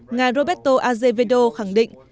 ngài roberto azevedo khẳng định